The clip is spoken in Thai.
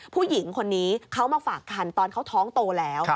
ผู้หญิงคนนี้เขามาฝากคันตอนเขาท้องโตแล้ว